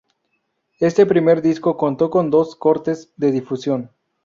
Este primer disco contó con dos cortes de difusión.